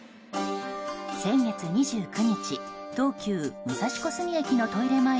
先月２９日東急武蔵小杉駅のトイレ